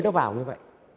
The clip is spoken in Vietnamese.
nó vào như vậy